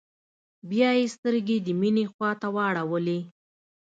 بيا يې سترګې د مينې خواته واړولې.